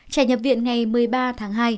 trẻ nhập viện ngày một mươi ba tháng hai